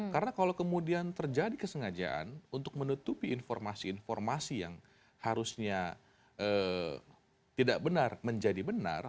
karena kalau kemudian terjadi kesengajaan untuk menutupi informasi informasi yang harusnya tidak benar menjadi benar